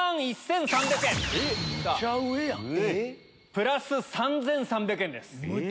プラス３３００円です